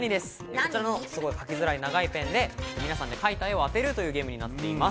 こちらのすごい描きづらい長いペンで皆さんが描いた絵を当てるゲームです。